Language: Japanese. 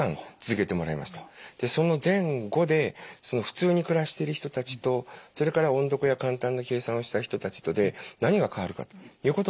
その前後で普通に暮らしている人たちとそれから音読や簡単な計算をした人たちとで何が変わるかということを調べました。